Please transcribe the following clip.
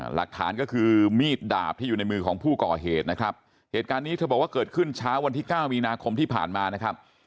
หลักฐานก็คือมีดดาบที่อยู่ในมือของผู้ก่อเหตุนะครับเหตุการณ์นี้เธอบอกว่าเกิดขึ้นเช้าวันที่เก้ามีนาคมที่ผ่านมานะครับ